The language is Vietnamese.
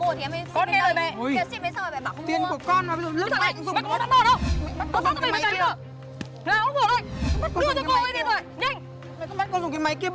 ôi mẹ mua đi mẹ bỏ một chút thôi mà